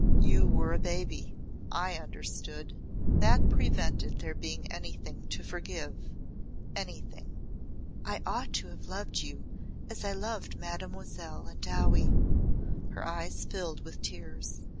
"You were a baby. I understood. That prevented there being anything to forgive anything." "I ought to have loved you as I loved Mademoiselle and Dowie." Her eyes filled with tears.